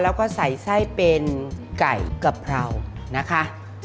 แล้วก็ใส่ไส้เป็นไก่กะเพรานะคะ